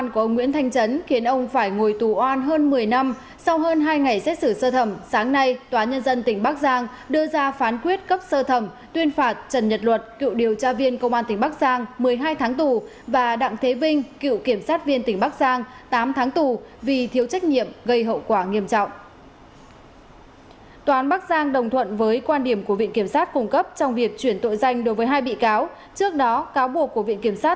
các bạn hãy đăng ký kênh để ủng hộ kênh của chúng mình nhé